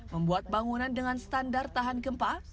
membuat bangunan dengan standar tahan gempa